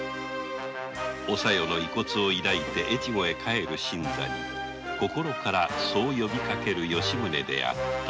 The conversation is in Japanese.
おさよの遺骨を抱いて越後に帰る新三に心からそう呼びかける吉宗であった